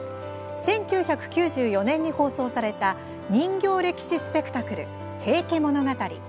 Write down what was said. １９９４年に放送された「人形歴史スペクタクル平家物語」。